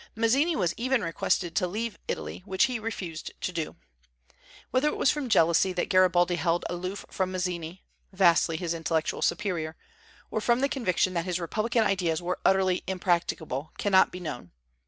Mazzini was even requested to leave Italy, which he refused to do. Whether it was from jealousy that Garibaldi held aloof from Mazzini, vastly his intellectual superior, or from the conviction that his republican ideas were utterly impracticable, cannot be known.